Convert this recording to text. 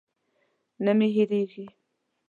نه مې هېرېږي.